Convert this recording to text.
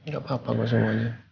gak apa apa kok semuanya